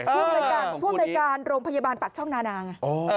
พวกรายการโรงพยาบาลปักช่องนานาง